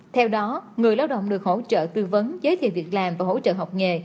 theo đó người lao động được hỗ trợ tư vấn giới thiệu việc làm và hỗ trợ học nghề